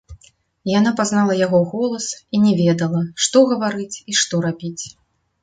Яна пазнала яго голас і не ведала, што гаварыць і што рабіць.